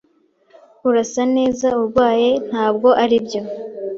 "Urasa neza. Urarwaye?" "Ntabwo ari byo."